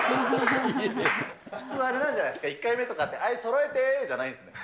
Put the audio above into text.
普通あれなんじゃないですか、１回目とかって、はい、そろえて！じゃないんですね。